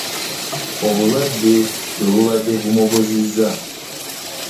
Obulwadde bwe bubadde bumubuzizza.